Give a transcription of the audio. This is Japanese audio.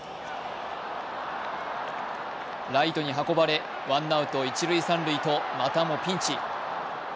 ライトに運ばれワンアウト、一塁・三塁とまたもピンチ。